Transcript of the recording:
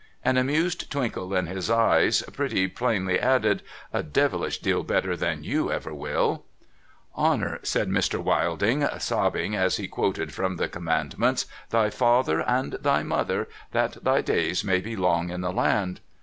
An amused twinkle in his eyes pretty plainly added —' A devilish deal better than you ever will !''" Honour," ' said Mr. Wilding, sobbing as he quoted from the Commandments, '" thy father and thy mother, that thy days may be long in the land."